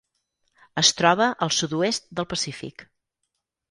Es troba al sud-oest del Pacífic.